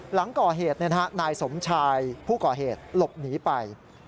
หลังก่อเหตุนายสมชายผู้ก่อเหตุหลบหนีไป